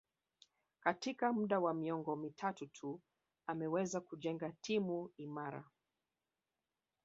Katika muda wa miongo mitatu tu ameweza kujenga timu imara